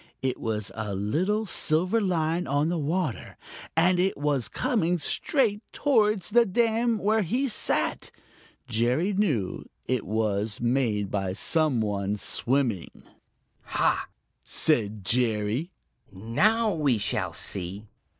It was a little silver line on the water, and it was coming straight towards the dam where he sat. Jerry knew that it was made by some one swimming. "Ha!" said Jerry. "Now we shall see!"